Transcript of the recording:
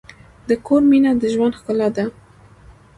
د کور مینه د ژوند ښکلا ده.